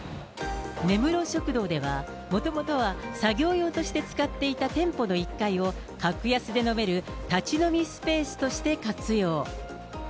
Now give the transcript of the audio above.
根室食堂では、もともとは作業用として使っていた店舗の１階を、格安で飲める立ち飲みスペースとして活用。